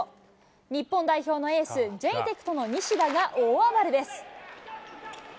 日本代表のエース、ジェイテクトの西田が大暴れです。